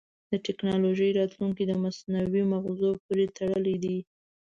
د ټکنالوجۍ راتلونکی د مصنوعي مغزو پورې تړلی دی.